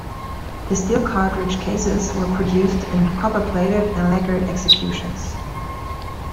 The steel cartridge cases were produced in copper plated and lacquered executions.